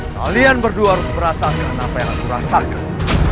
kalian berdua harus merasakan apa yang aku rasakan